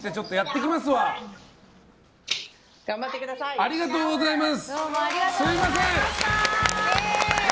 ありがとうございます。